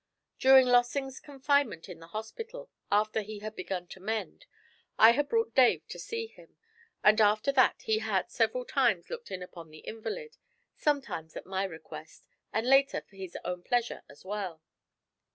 During Lossing's confinement in the hospital, after he had begun to mend, I had brought Dave to see him, and after that he had several times looked in upon the invalid; sometimes at my request, and later for his own pleasure as well.